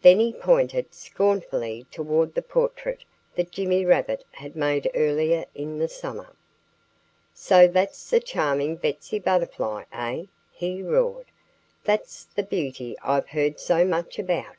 Then he pointed scornfully toward the portrait that Jimmy Rabbit had made earlier in the summer. "So that's the charming Betsy Butterfly, eh?" he roared. "That's the beauty I've heard so much about!